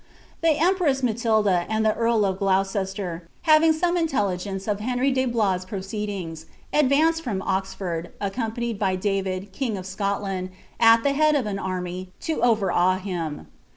The etnpress Matilda, and the earl of Gloucester, having some ifUeOi gence of Henry de Blois' proceedings, advanced from Oxford, acciMBpi. nicd hy David, king of Scotland, at the head of an army, to ovenwt him.